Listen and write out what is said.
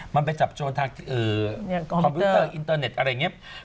มันไปจับโจรทางคอมพิวเตอร์อินเตอร์เน็ตอะไรอย่างนี้